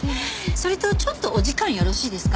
それとちょっとお時間よろしいですか？